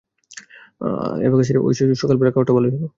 অ্যাবাকাসের ঐ সকালের খাওয়াটা ভালোই হলো।